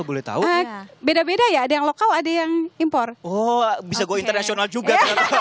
boleh tahu beda beda ya ada yang lokal ada yang impor bisa go internasional juga